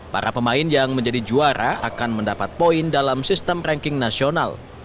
para pemain yang menjadi juara akan mendapat poin dalam sistem ranking nasional